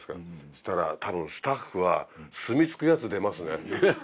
そしたら多分スタッフは住み着くヤツ出ますね。